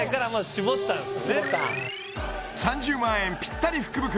絞った３０万円ぴったり福袋